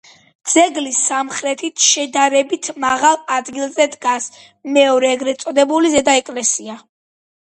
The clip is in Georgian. ძეგლის სამხრეთით, შედარებით მაღალ ადგილზე, დგას მეორე ეგრეთ წოდებული ზედა ეკლესია.